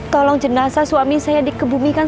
tolong jenazah suami saya dikebumikan